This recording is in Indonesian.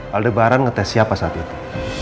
aldebaran ngetes siapa saat itu